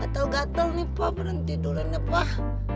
gatel gatel nih pak berhenti dulunya pak